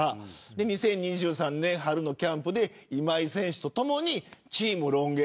２０２３年春のキャンプで今井選手と共にチームロン毛。